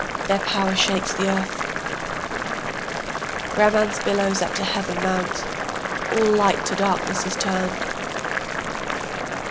Their power shakes the earth, Raman's billows up to heaven mount, All light to darkness is turned.